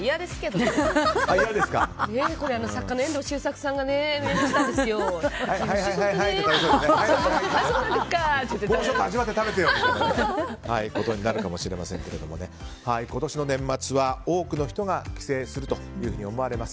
もうちょっと味わって食べてよっていうことになるかもしれませんが今年の年末は多くの人が帰省するというふうに思われます。